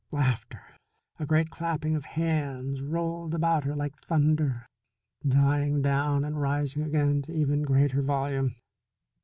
Laughter! A great clapping of hands rolled about her like thunder, dying down and rising again to even greater volume.